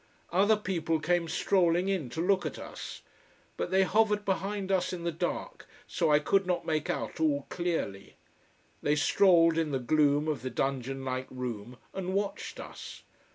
Other people came strolling in, to look at us. But they hovered behind us in the dark, so I could not make out at all clearly. They strolled in the gloom of the dungeon like room, and watched us.